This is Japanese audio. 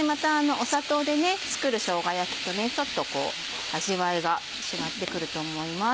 砂糖で作るしょうが焼きとまたちょっと味わいが違ってくると思います。